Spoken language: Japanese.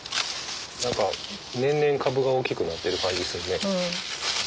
何か年々株が大きくなってる感じするね。